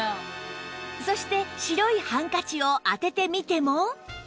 そして白いハンカチをあててみても